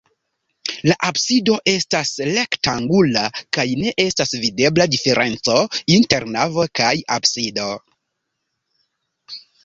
La absido estas rektangula kaj ne estas videbla diferenco inter navo kaj absido.